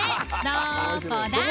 どこだ？